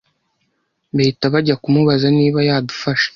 bahita bajya kumubaza niba yadufasha